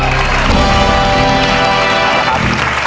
ไม่ใช้นะครับ